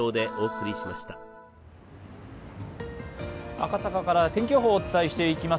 赤坂から天気予報をお伝えしていきます。